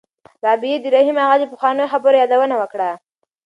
رابعې د رحیم اغا د پخوانیو خبرو یادونه وکړه.